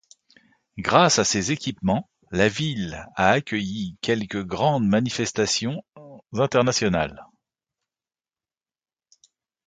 Grâce à ces équipements la ville a accueilli quelques grandes manifestations internationales.